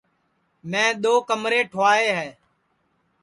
میں دؔو کمرے ٹُھوائے ہے